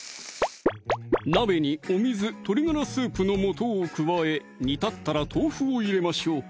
鍋にお水・鶏ガラスープの素を加え煮立ったら豆腐を入れましょう！